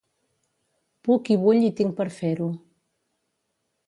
Puc i vull i tinc per fer-ho.